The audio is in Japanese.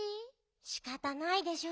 しかたないでしょ。